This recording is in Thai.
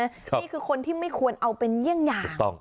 นี่คือคนที่ไม่ควรเอาเป็นเยี่ยงอย่าง